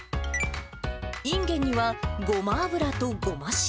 いんげんにはごま油とごま塩。